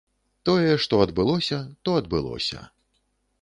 Тое, што адбылося, то адбылося.